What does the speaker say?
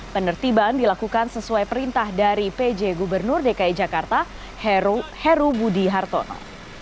penertiban dilakukan sesuai perintah dari pj gubernur dki jakarta heru budi hartono